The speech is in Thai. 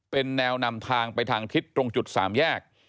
เป็นแนวนำทางไปทางทิศตรงจุด๓แยก